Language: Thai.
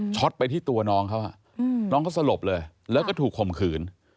ไปที่ตัวน้องเขาน้องเขาสลบเลยแล้วก็ถูกข่มขืน